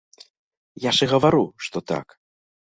Я ж і гавару, што так.